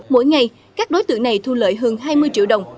mỗi ngày các đối tượng này thu lợi hơn hai mươi triệu đồng